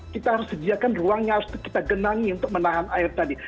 kita harus sediakan ruang yang harus kita genangi untuk menahan air tadi